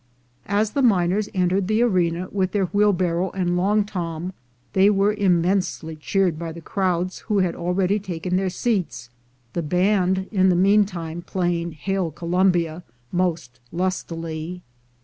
As the miners entered the arena with their wheelbarrow and long tom, they were immensely cheered by the crowds who had already taken their seats, the band in the meantime playing "Hail Columbia" most lustily.